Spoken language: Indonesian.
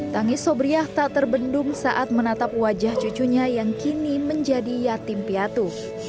tangis sobriah tak terbendung saat menatap wajah cucunya yang kini menjadi yatim piatu